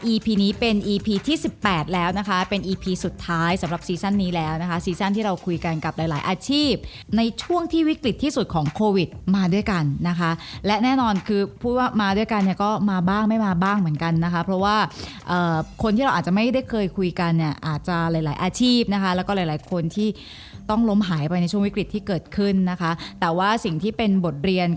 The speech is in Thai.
อีพีนี้เป็นอีพีที่๑๘แล้วนะคะเป็นอีพีสุดท้ายสำหรับซีซั่นนี้แล้วนะคะซีซั่นที่เราคุยกันกับหลายอาชีพในช่วงที่วิกฤตที่สุดของโควิดมาด้วยกันนะคะและแน่นอนคือพูดว่ามาด้วยกันเนี่ยก็มาบ้างไม่มาบ้างเหมือนกันนะคะเพราะว่าคนที่เราอาจจะไม่ได้เคยคุยกันเนี่ยอาจจะหลายอาชีพนะคะแล้วก็หลายคนที่ต้องล้มหายไปใ